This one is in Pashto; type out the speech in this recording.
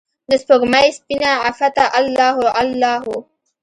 دسپوږمۍ سپینه عفته الله هو، الله هو